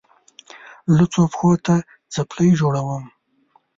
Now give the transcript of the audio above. لوڅو پښو ته څپلۍ جوړوم.